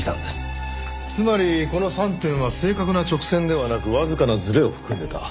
つまりこの３点は正確な直線ではなくわずかなずれを含んでた。